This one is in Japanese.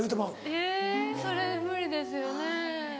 えぇそれ無理ですよね。